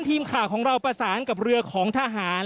ทีมข่าวของเราประสานกับเรือของทหาร